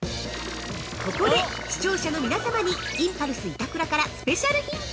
◆ここで視聴者の皆様にインパルス板倉からスペシャルヒント。